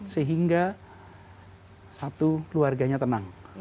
sehingga satu keluarganya tenang